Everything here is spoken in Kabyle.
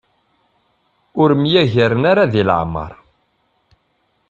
Ur myagaren ara di leɛmer.